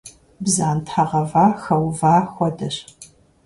Бдзантхьэ гъэва хэува хуэдэщ.